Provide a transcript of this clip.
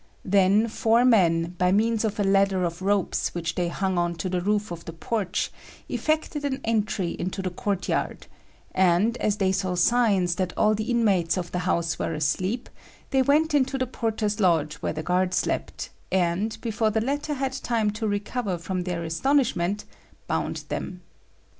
Then four men, by means of a ladder of ropes which they hung on to the roof of the porch, effected an entry into the courtyard; and, as they saw signs that all the inmates of the house were asleep, they went into the porter's lodge where the guard slept, and, before the latter had time to recover from their astonishment, bound them.